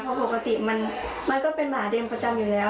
เพราะปกติมันก็เป็นหมาแดงประจำอยู่แล้ว